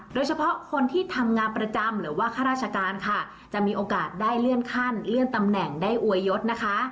โดยเฉพาะคนที่ทำงานประจำหรือว่าข้าราชการค่ะจะมีโอกาสได้เลื่อนขั้นเลื่อนตำแหน่งได้อวยยศนะคะ